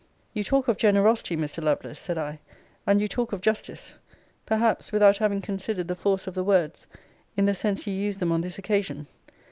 You talk of generosity, Mr. Lovelace, said I; and you talk of justice; perhaps, without having considered the force of the words, in the sense you use them on this occasion.